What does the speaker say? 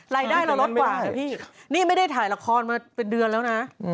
รายได้เราลดกว่านะพี่นี่ไม่ได้ถ่ายละครมาเป็นเดือนแล้วนะ